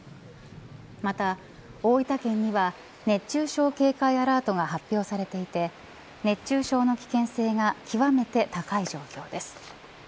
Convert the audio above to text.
また、大分県には熱中症警戒アラートが発表されていて熱中症の危険性が極めて高い状況です。